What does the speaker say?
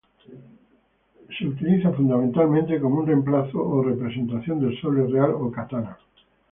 Es utilizado fundamentalmente como un reemplazo o representación del sable real o "katana".